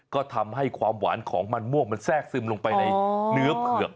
ก็ทำให้ความหวานของมันม่วงมันแทรกซึมลงไปในเนื้อเผือก